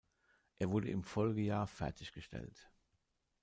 Er wurde im Folgejahr fertiggestellt.